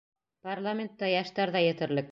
Парламентта йәштәр ҙә етерлек.